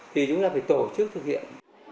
thì chúng ta phải tổ chức thực hiện